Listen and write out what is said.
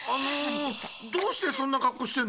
どうしてそんなかっこうしてんの？